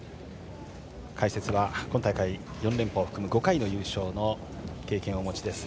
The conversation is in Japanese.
解説は今大会４連覇を含む５回の優勝の経験をお持ちです